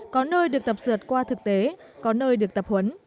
có nơi được tập dượt qua thực tế có nơi được tập huấn